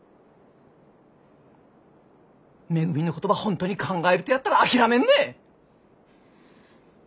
めぐみのことば本当に考えるとやったら諦めんね！